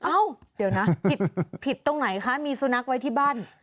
เอ้าเดี๋ยวนะผิดตรงไหนคะมีสุนัขไว้ที่บ้าน